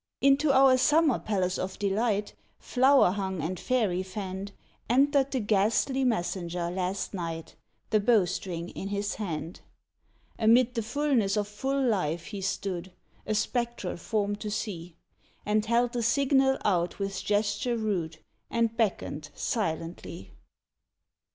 Into our summer palace of delight, Flower hung and fairy fanned, Entered the ghastly messenger last night, The bow string in his hand. Amid the fulness of full life he stood, A spectral form to see, And held the signal out with gesture rude And beckoned silently.